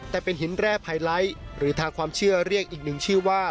แต่เป็นหินแร่ไฮไลท์หรือทางความเชื่อเรียกอีกหนึ่งชื่อว่า